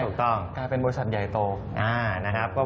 ถูกต้องกลายเป็นบริษัทใหญ่โตนะครับ